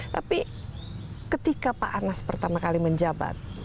tapi ketika pak anas pertama kali menjabat